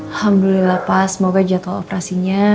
alhamdulillah pak semoga jadwal operasinya